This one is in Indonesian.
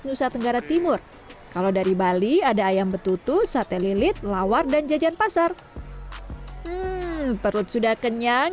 nusa tenggara timur kalau dari bali ada ayam betutu sate lilit lawar dan jajan pasar perut sudah kenyang